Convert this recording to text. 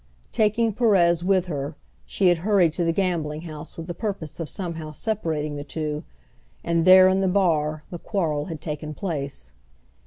Taking Perez with her, she had hurried to the gambling house with the purpose of somehow separating the two, and there in the bar the quarrel had taken place.